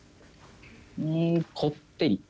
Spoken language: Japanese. うんこってり。